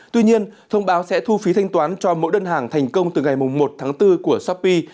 tuy nhiên thông báo sẽ thu phí thanh toán cho mỗi đơn hàng thành công từ ngày một tháng bốn của shopee